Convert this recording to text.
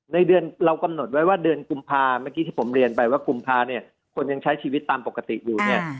ในเดือนเรากำหนดไว้ว่าเดือนกุมภาเมื่อกี้ที่ผมเรียนไปว่ากุมภาเนี่ยคนยังใช้ชีวิตตามปกติอยู่เนี่ย